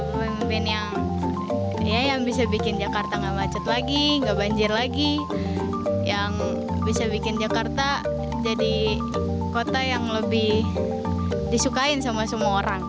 pemimpin yang bisa bikin jakarta nggak macet lagi nggak banjir lagi yang bisa bikin jakarta jadi kota yang lebih disukain sama semua orang